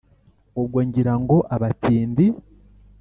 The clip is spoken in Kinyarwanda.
ubwo ngira ngo abatindi